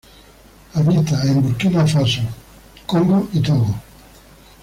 Habita en Burkina Faso, Congo y Togo.